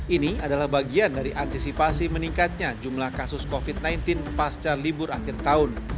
ini adalah bagian dari antisipasi meningkatnya jumlah kasus covid sembilan belas pasca libur akhir tahun